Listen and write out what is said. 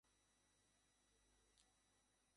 প্রতাপাদিত্য ঠাণ্ডা হইয়া কহিলেন, তবে কী বলিতেছিলে বলো।